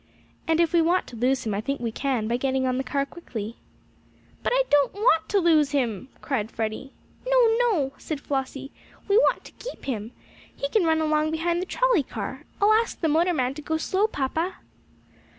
And if we want to lose him I think we can, by getting on the car quickly." "But we don't want to lose him!" cried Freddie. "No, no!" said Flossie. "We want to keep him. He can run along behind the trolley car. I'll ask the motorman to go slow, papa."